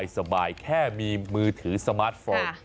สบายแค่มีมือถือสมาร์ทโฟน